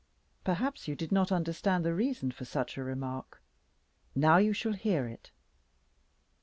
Perhaps you did not understand the reason for such a remark. Now you shall hear it.